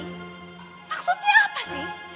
maksudnya apa sih